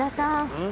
うん？